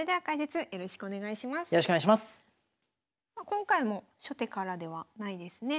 今回も初手からではないですね。